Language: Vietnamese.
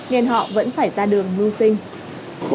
nên họ vẫn phải ra đường lưu sinh